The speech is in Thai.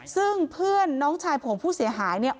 ซึ่งเพื่อนน้องชายของผู้เสียหายเนี่ย